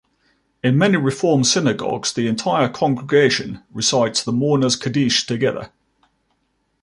In many Reform synagogues, the entire congregation recites the Mourner's Kaddish together.